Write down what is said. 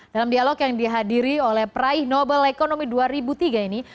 dalam dialog yang dihadiri oleh peraih nobel ekonomi dua ribu tiga ini